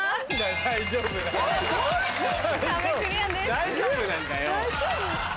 大丈夫なんだよ。